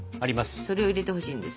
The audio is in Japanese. それを入れてほしいんです。